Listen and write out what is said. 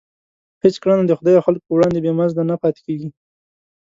هېڅ کړنه د خدای او خلکو په وړاندې بې مزده نه پاتېږي.